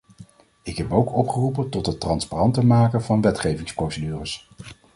Ik heb ook opgeroepen tot het transparanter maken van wervingsprocedures.